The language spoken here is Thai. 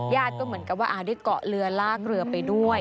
ก็เหมือนกับว่าได้เกาะเรือลากเรือไปด้วย